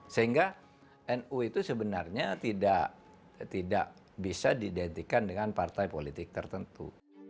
sehingga nu itu sebenarnya tidak bisa diidentikan dengan partai politik tertentu